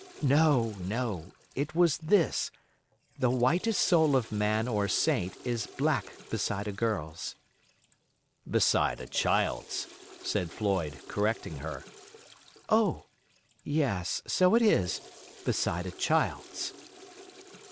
"No, no—it was this—"The whitest soul of man or saint is black beside a girl's." "Beside a child's," said Floyd, correcting her. "Oh! yes, so it is—'beside a child's.